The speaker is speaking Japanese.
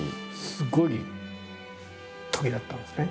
すごいときだったんですね。